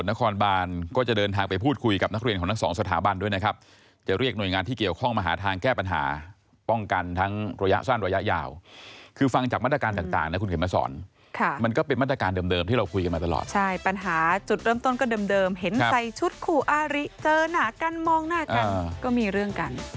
ถ้าเกิดการท้าทายก็คือมาตีกัน